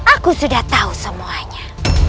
aku sudah tahu semuanya